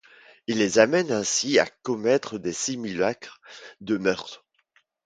Il les amène ainsi à commettre des simulacres de meurtres.